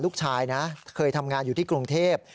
ลูกชายนะเคยทำงานอยู่ที่กรุงเทพ